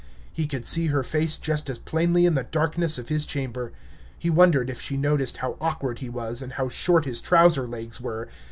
He could see her face just as plainly in the darkness of his chamber. He wondered if she noticed how awkward he was, and how short his trousers legs were.